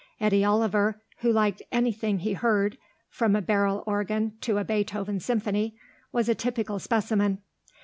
Eddy Oliver, who liked anything he heard, from a barrel organ to a Beethoven Symphony, was a typical specimen.